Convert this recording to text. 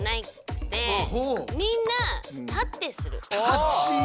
立ち。